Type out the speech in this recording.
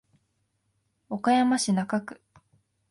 岡山市中区